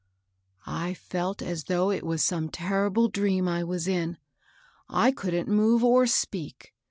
^^ I felt as though it was some terrible dream I was in. I couldn't move or speak.